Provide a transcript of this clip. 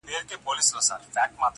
دی په خوب کي لا پاچا د پېښور دی!!